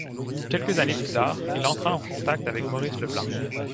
Quelques années plus tard, il entra en contact avec Maurice Leblanc.